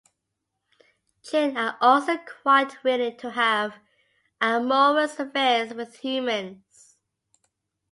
Jinn are also quite willing to have amorous affairs with humans.